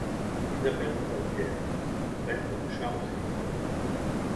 Isabel de Bavière= (Règne de Charles six).